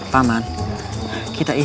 sampai ketemu lagi